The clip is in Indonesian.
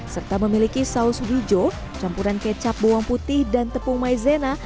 serta memiliki saus hijau campuran kecap bawang putih dan tepung maizena